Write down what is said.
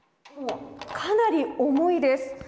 かなり重いです。